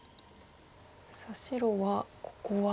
さあ白はここは。